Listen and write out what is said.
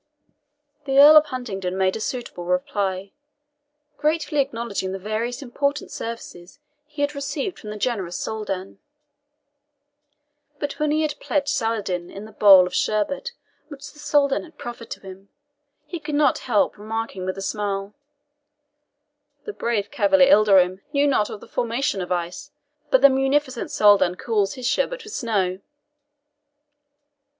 The Earl of Huntingdon made a suitable reply, gratefully acknowledging the various important services he had received from the generous Soldan; but when he had pledged Saladin in the bowl of sherbet which the Soldan had proffered to him, he could not help remarking with a smile, "The brave cavalier Ilderim knew not of the formation of ice, but the munificent Soldan cools his sherbet with snow."